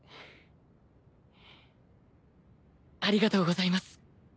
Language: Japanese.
ありがとうございます。